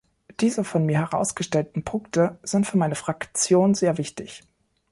Diese von mir herausgestellten Punkte sind für meine Fraktion sehr wichtig.